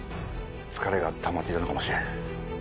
疲れがたまっていたのかもしれん。